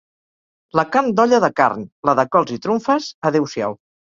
La carn d'olla de carn; la de cols i trumfes, adeu-siau.